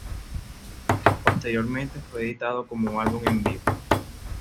Posteriormente fue editado como álbum en vivo.